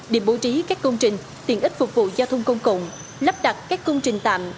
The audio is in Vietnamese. điểm bố trí các công trình tiện ích phục vụ giao thông công cộng lắp đặt các công trình tạm